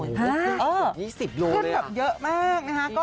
เยอะมาก